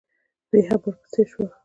دوئ هم ورپسې شول.